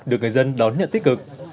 được người dân đón nhận tích cực